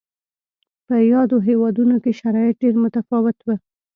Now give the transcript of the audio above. په یادو هېوادونو کې شرایط ډېر متفاوت و.